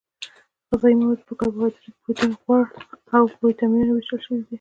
غذايي مواد په کاربوهایدریت پروټین غوړ او ویټامینونو ویشل شوي دي